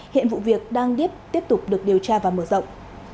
hiện vụ việc đang tiếp tục được điều tra và mở rộng